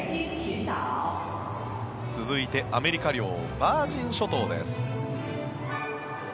続いてアメリカ領バージン諸島です。